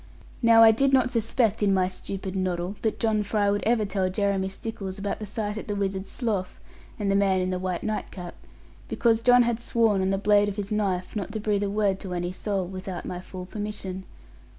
Now I did not suspect in my stupid noddle that John Fry would ever tell Jeremy Stickles about the sight at the Wizard's Slough and the man in the white nightcap; because John had sworn on the blade of his knife not to breathe a word to any soul, without my full permission.